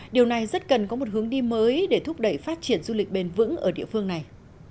điều này rất cần có một hướng đi mới để thúc đẩy phát triển du lịch bền vững ở địa phương này